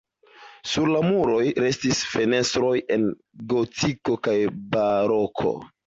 Sur la muroj restis fenestroj el gotiko kaj baroko.